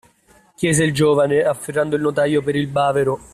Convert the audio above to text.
Chiese il giovane, afferrando il notaio per il bavero.